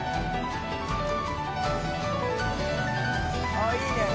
あっいいね！